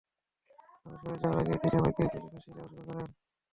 আমি সরে যাওয়ার আগেই তিনি আমাকে কিল ঘুষি দেওয়া শুরু করেন।